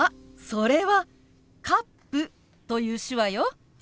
それは「カップ」という手話よ。